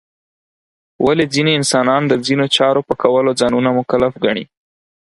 ولې ځینې انسانان د ځینو چارو په کولو ځانونه مکلف ګڼي؟